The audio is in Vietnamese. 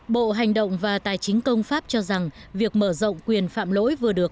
bộ hành động và tài chính công pháp cho rằng việc mở rộng quyền phạm lỗi vừa được